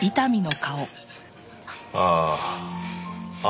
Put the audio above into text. ああ。